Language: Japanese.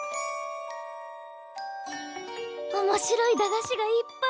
おもしろい駄菓子がいっぱい！